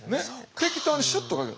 適当にシュッとかける。